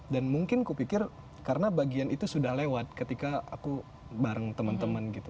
dan mungkin kupikir karena bagian itu sudah lewat ketika aku bareng teman teman gitu